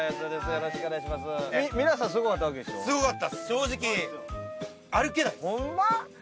正直歩けないっす。